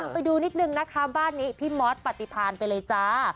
ไปดูนิดนึงนะคะบ้านนี้พี่มอสปฏิพานไปเลยจ้า